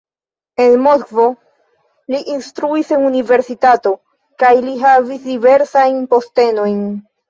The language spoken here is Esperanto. En Moskvo li instruis en universitato kaj li havis diversajn postenojn.